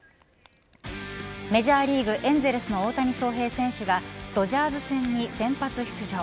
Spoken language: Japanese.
メジャーリーグエンゼルスの大谷翔平選手がドジャース戦に先発出場。